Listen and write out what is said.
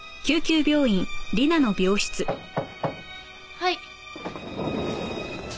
はい。